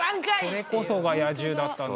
それこそが野獣だったのか。